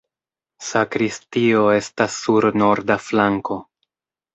Sakristio estas sur norda flanko.